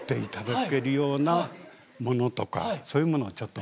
そういうものをちょっと。